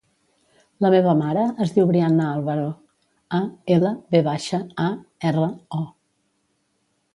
La meva mare es diu Brianna Alvaro: a, ela, ve baixa, a, erra, o.